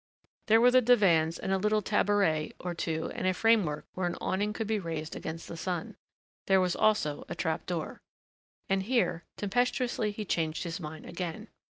There were divans and a little taboret or two and a framework where an awning could be raised against the sun. There was also a trap door. And here, tempestuously he changed his mind again.